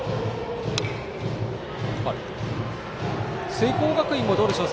聖光学院もどうでしょう。